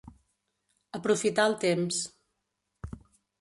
Aprofitar el temps.